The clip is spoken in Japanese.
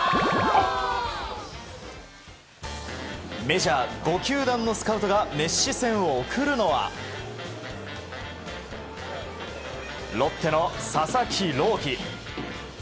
メジャー５球団のスカウトが熱視線を送るのはロッテの佐々木朗希。